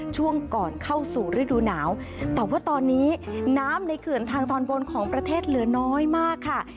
ช่วงก่อนเข้าสู่ฤดูหนาวแต่ว่าตอนนี้น้ำในเขื่อนทางตอนบนของประเทศเหลือน้อยมากค่ะ